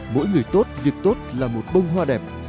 mỗi người tốt việc tốt là một bông hoa đẹp